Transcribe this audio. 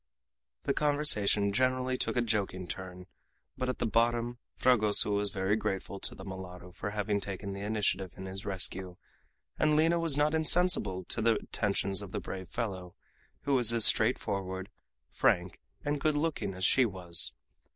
The conversation generally took a joking turn, but at the bottom Fragoso was very grateful to the mulatto for having taken the initiative in his rescue, and Lina was not insensible to the attentions of the brave fellow, who was as straightforward, frank, and good looking as she was.